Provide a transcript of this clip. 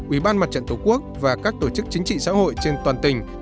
ubnd tổ quốc và các tổ chức chính trị xã hội trên toàn tỉnh